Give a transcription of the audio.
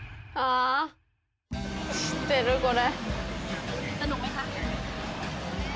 知ってる、これ。